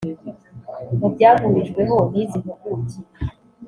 Mu byahurijweho n’izi mpuguke